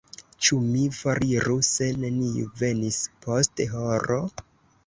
Ĉu mi foriru se neniu venis post horo?